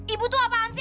ibu tuh apaan sih